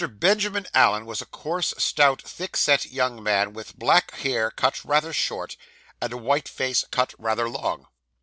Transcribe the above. Benjamin Allen was a coarse, stout, thick set young man, with black hair cut rather short, and a white face cut rather long.